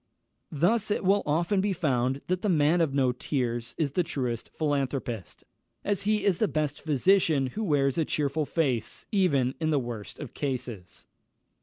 Thus it will often be found that the man of no tears is the truest philanthropist, as he is the best physician who wears a cheerful face, even in the worst of cases.